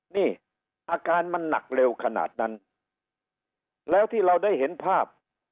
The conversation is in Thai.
นี่อาการมันหนักเร็วขนาดนั้นแล้วที่เราได้เห็นภาพ